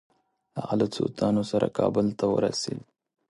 هغه له څو تنو سره کابل ته ورسېد.